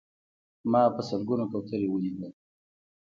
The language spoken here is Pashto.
ما په سلګونه کوترې ولیدلې.